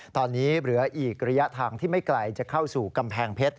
ตอนนี้เหลืออีกระยะทางที่ไม่ไกลจะเข้าสู่กำแพงเพชร